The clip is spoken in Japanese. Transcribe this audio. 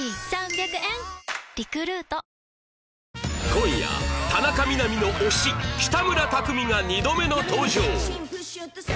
今夜田中みな実の推し北村匠海が２度目の登場